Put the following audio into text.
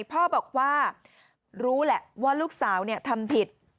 พ่อบอกว่ารู้แหละว่าลูกสาวทำผิด